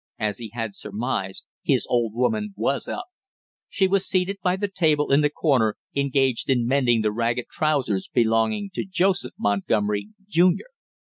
As he had surmised, his old woman was up. She was seated by the table in the corner, engaged in mending the ragged trousers belonging to Joseph Montgomery, junior.